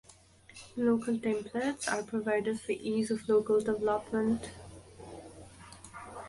Local templates are provided for ease of local development